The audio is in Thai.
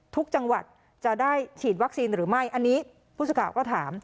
ทุกจังหวัดจะได้ฉีดวัคซีนหรือไม่อันนี้ผู้สื่อข่าวก็ถาม